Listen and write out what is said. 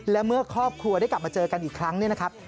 และเมื่อครอบครัวได้กลับมาเจอกันอีกครั้งเนี่ยนะครับ